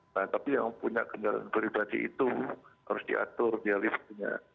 nah tapi yang punya kendaraan beribadi itu harus diatur dia listnya